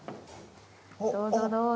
どうぞ、どうぞ。